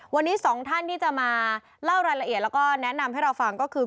วันนี้สองท่านที่จะมาเล่ารายละเอียดแล้วก็แนะนำให้เราฟังก็คือ